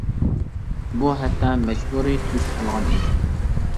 بۇ ھەتتا مەجبۇرىي تۈس ئالغان ئىدى.